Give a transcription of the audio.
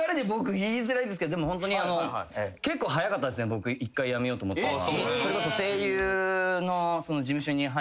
僕一回辞めようと思ったのは。